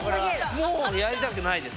もうやりたくないです